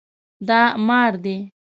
دا مار دی